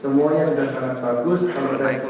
semuanya sudah sangat bagus sangat baik